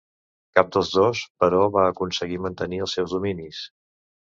Cap dels dos, però va aconseguir mantenir els seus dominis.